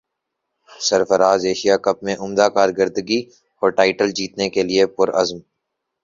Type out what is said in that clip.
سرفراز Asia Cup میں عمدہ کارکردگی اور ٹائٹل جیتنے کیلئے پرعزم